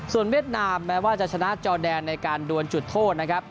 ส่วนเวียดนามแม้ว่าจะชนะจอดแดนในการโดนจุดโทษ